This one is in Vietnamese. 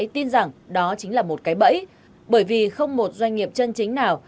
tôi tin rằng đó chính là một cái bẫy bởi vì không một doanh nghiệp chân chính nào